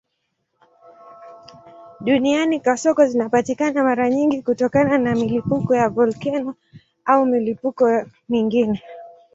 Duniani kasoko zinapatikana mara nyingi kutokana na milipuko ya volkeno au milipuko mingine.